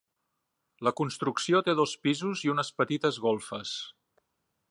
La construcció té dos pisos i unes petites golfes.